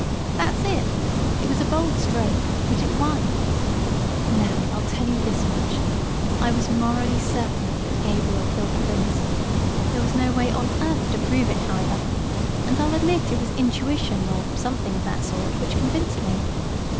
"That's it. It was a bold stroke, but it won. Now, I'll tell you this much. I was morally certain that Gabriel killed the Prince. There was no way on earth to prove it, however, and I'll admit it was intuition or something of that sort which convinced me.